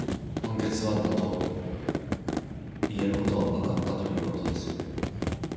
言えることはなかったということですよね？